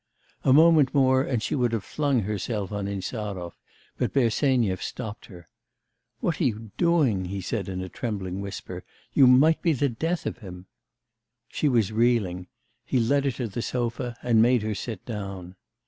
A moment more and she would have flung herself on Insarov, but Bersenyev stopped her. 'What are you doing?' he said in a trembling whisper, 'you might be the death of him!' She was reeling. He led her to the sofa, and made her sit down.